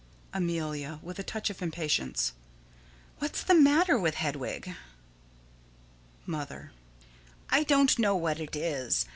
Amelia: [With a touch of impatience.] What's the matter with Hedwig? Mother: I don't know what it is.